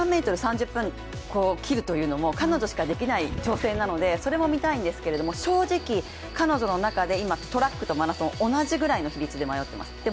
１００００ｍ３０分切るというのも彼女しかできない挑戦なのでそれも見たいんですけれども、正直、彼女の中でトラックとマラソン同じぐらいの比率で迷ってます。